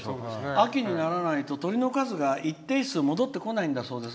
秋にならないと鶏の数が一定数戻ってこないんだそうです。